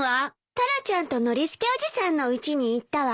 タラちゃんとノリスケおじさんのうちに行ったわ。